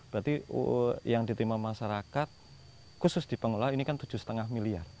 berarti yang ditimpa masyarakat khusus di pengelolaan ini kan tujuh lima m